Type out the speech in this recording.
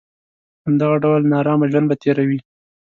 همدغه ډول نارامه ژوند به تېروي.